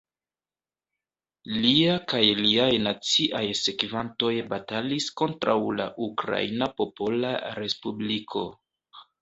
Lia kaj liaj naciaj sekvantoj batalis kontraŭ la Ukraina Popola Respubliko.